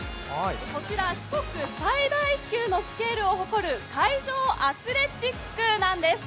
こちら四国最大級のスケールを誇る海上アスレチックなんです。